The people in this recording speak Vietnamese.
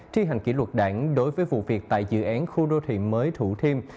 thi hành kỷ luật đảng đối với vụ việc tại dự án khu đô thị mới thủ thiêm